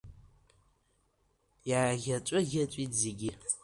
Иааӷьаҵәы-ӷьаҵәит зегьы.